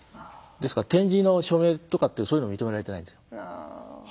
ですから点字の署名とかってそういうのは認められていないんですよ。